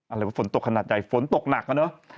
อะไรว่าฝนตกขนาดใหญ่ฝนตกหนักอะเนอะ